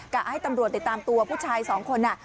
ให้ตำรวจติดตามตัวผู้ชายสองคน